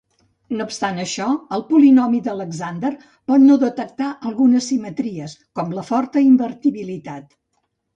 No obstant això, el polinomi d'Alexander pot no detectar algunes simetries, com la forta invertibilitat.